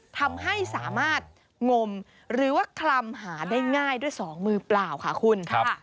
ทำให้สามารถงมหรือว่าคลำหาได้ง่ายด้วยสองมือเปล่าค่ะคุณ